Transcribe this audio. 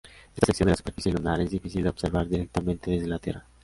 Esta sección de la superficie lunar es difícil de observar directamente desde la Tierra.